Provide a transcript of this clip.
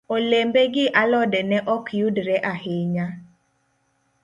Olembe gi alode ne ok yudre ahinya.